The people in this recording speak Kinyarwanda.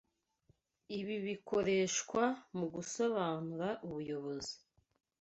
Ibi bikoreshwa mugusobanura umuyobozi